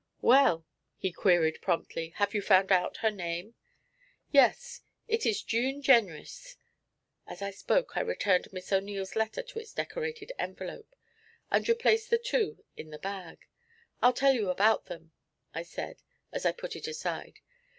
'Well,' he queried promptly, 'have you found out her name?' 'Yes; it is June Jenrys.' As I spoke I returned Miss O'Neil's letter to its decorated envelope, and replaced the two in the bag. 'I'll tell you about them,' I said, as I put it aside.